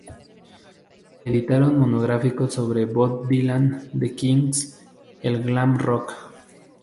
Editaron monográficos sobre Bob Dylan, The Kinks, el glam rock...